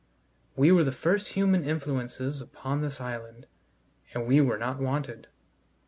We were the first human influences upon this island, and we were not wanted.